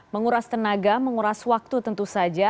menguras tenaga menguras waktu tentu saja